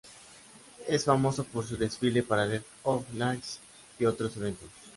Es famoso por su desfile Parade of Lights y otros eventos.